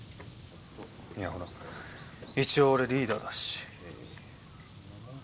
いやほら一応俺リーダーだし。